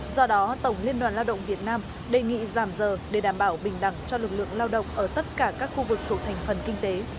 do đó tổng liên đoàn lao động việt nam đề nghị giảm giờ để đảm bảo bình đẳng cho lực lượng lao động ở tất cả các khu vực thuộc thành phần kinh tế